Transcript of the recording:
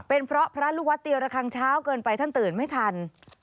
เป็นเพราะพระลูกวัดเตียระคังเช้าเกินไปท่านตื่นไม่ทัน